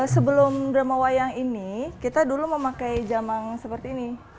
sebelum drama wayang ini kita dulu memakai jamang seperti ini